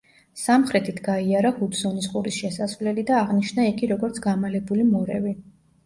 სამხრეთით გაიარა ჰუდსონის ყურის შესასვლელი და აღნიშნა იგი როგორც „გამალებული მორევი“.